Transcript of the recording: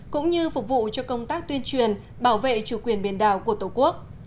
cũng như phục vụ cho công tác tuyên truyền bảo vệ chủ quyền biển đảo của tổ quốc